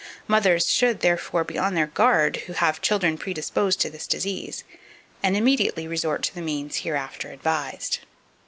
Mothers should, therefore, be on their guard who have children predisposed to this disease, and immediately resort to the means hereafter advised.